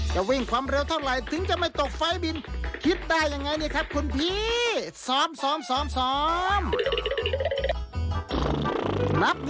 เชิญชมได้เลยครับ